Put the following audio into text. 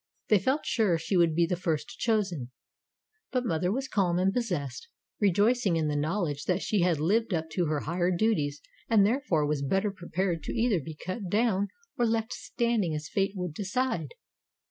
They felt sure she would be the first chosen. But mother was calm and possessed, rejoicing in the knowledge that she had lived up to her higher duties and therefore was better prepared to either be cut down or left standing as fate would decide.